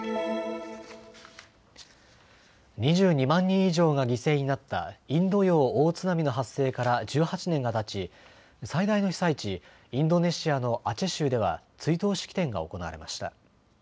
２２万人以上が犠牲になったインド洋大津波の発生から１８年がたち最大の被災地、インドネシアのアチェ州では追悼式典が行われました。